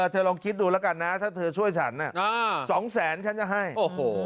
ลองคิดดูแล้วกันนะถ้าเธอช่วยฉันสองแสนฉันจะให้โอ้โห